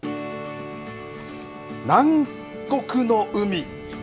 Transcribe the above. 南国の海。